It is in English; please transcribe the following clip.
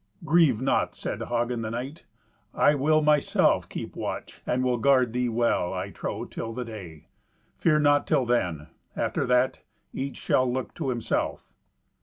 "Grieve not," said Hagen the knight. "I will myself keep watch, and will guard thee well, I trow, till the day. Fear naught till then. After that, each shall look to himself."